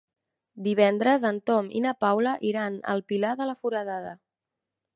Divendres en Tom i na Paula iran al Pilar de la Foradada.